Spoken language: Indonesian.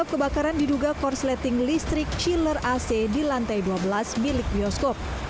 juga dilarang masuk sementara hingga pemberitahuan lanjutan